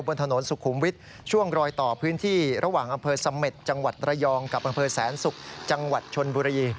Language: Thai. บนถนนสุขุมวิทย์ช่วงรอยต่อพื้นที่ระหว่างอำเภอเสม็ดจังหวัดระยองกับอำเภอแสนศุกร์จังหวัดชนบุรี